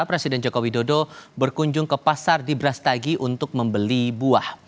presiden joko widodo berkunjung ke pasar di brastagi untuk membeli buah